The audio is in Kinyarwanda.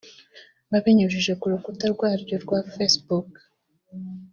babinyujije ku rukuta rwaryo rwa Facebook